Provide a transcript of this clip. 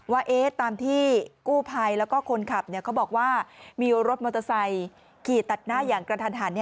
ว่าตามที่กู้ภัยแล้วก็คนขับเขาบอกว่ามีรถมอเตอร์ไซค์ขี่ตัดหน้าอย่างกระทันหัน